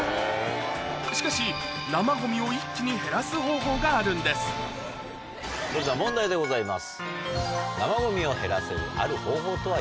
しかし生ゴミを一気に減らす方法があるんですそれでは。